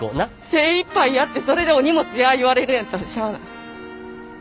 精いっぱいやってそれで「お荷物や」言われるんやったらしゃない。